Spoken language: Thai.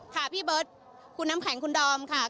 พี่เบิร์ตคุณน้ำแข็งคุณดอมค่ะ